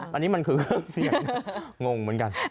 อันนี้มันคือเครื่องเสียงนะงงเหมือนกัน